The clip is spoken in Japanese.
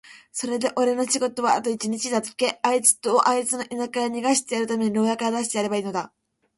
それでおれの仕事はあと一日だけ、あいつをあいつの田舎へ逃してやるために牢屋から出してやればいいのだ。